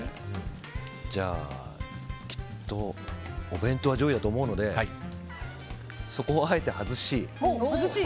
じゃあきっとお弁当は上位だと思うのでそこをあえて外し。